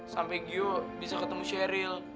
sampai gio bisa ketemu sheryl